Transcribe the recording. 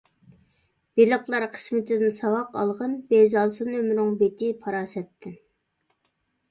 بېلىقلار قىسمىتىدىن ساۋاق ئالغىن، بېزەلسۇن ئۆمرۈڭ بېتى پاراسەتتىن.